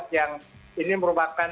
yang ini merupakan